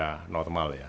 usia normal ya